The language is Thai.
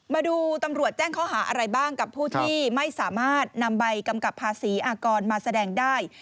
มาดูตำรวจแจ้งข้อหาอะไรบ้างกับผู้ที่ไม่สามารถนำใบกำกับภาษีอากรมาแสดงได้